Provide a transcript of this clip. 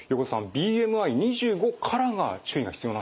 ＢＭＩ２５からが注意が必要なんですね。